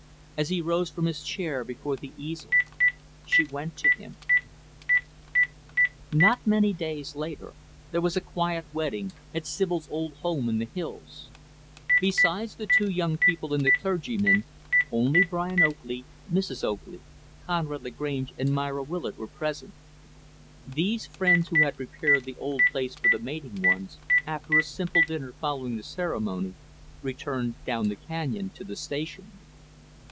As he rose from his chair before the easel, she went to him. Not many days later, there was a quiet wedding, at Sibyl's old home in the hills. Besides the two young people and the clergyman, only Brian Oakley, Mrs. Oakley, Conrad Lagrange and Myra Willard were present. These friends who had prepared the old place for the mating ones, after a simple dinner following the ceremony, returned down the canyon to the Station.